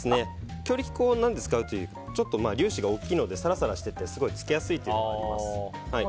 強力粉をなぜ使うかというとちょっと粒子が大きいのでさらさらしていてつけやすいというのがあります。